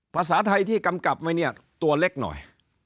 ภาษาไทยที่กำกับไว้เนี่ยตัวเล็กหน่อย